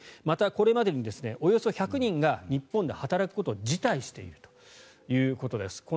また、これまでにおよそ１００人が日本で働くことを辞退しているということです。